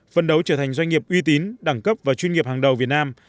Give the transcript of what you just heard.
phân đấu trở thành doanh nghiệp uy tín đẳng cấp và chuyên nghiệp hàng đầu việt nam